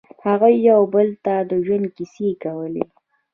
هغوی یو بل ته د ژوند کیسې کولې.